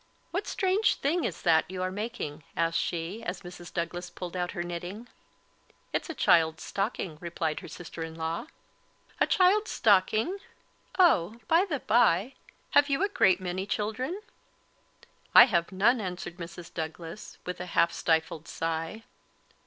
"What strange thing is that you are making?" asked she, as Mrs. Douglas pulled out her knitting. "It's a child's stocking," replied her sister in law. "A child's stocking! Oh, by the bye, have you a great many children?" "I have none," answered Mrs. Douglas, with a half stifled sigh.